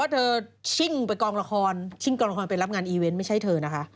เธอชิ่งไปกองละครชิ่งกองละครไปรับงานอีเวนต์ไม่ใช่เธอนะคะ